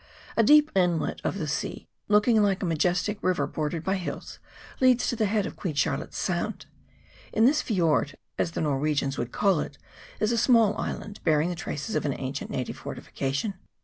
A deep inlet of the sea, looking like a majestic river bordered by hills, leads to the head of Queen Charlotte's Sound. In this fiord, as the Norwegians would call it, is a small island, bearing the traces of an ancient native fortification.